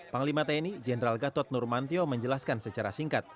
panglima tni jenderal gatot nurmantio menjelaskan secara singkat